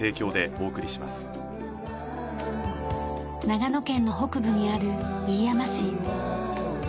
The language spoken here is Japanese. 長野県の北部にある飯山市。